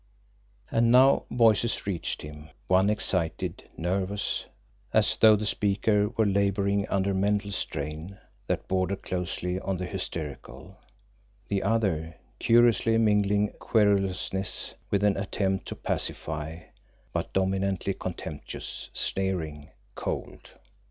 And now voices reached him one, excited, nervous, as though the speaker were labouring under mental strain that bordered closely on the hysterical; the other, curiously mingling a querulousness with an attempt to pacify, but dominantly contemptuous, sneering, cold.